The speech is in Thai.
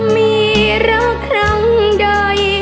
มีรักครั้งใด